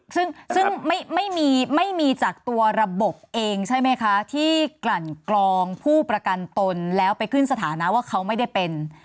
ซึ่งไม่มีจากตัวระบบเองใช่ไหมคะที่กลั่นกรองผู้ประกันตนแล้วไปขึ้นสถานะว่าเขาไม่ได้เป็น